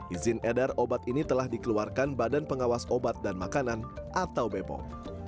izin edar obat ini telah dikeluarkan badan pengawas obat dan makanan atau bepom